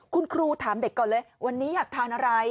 คุณครูถามเด็กก่อนเลยวันนี้อยากทานอะไร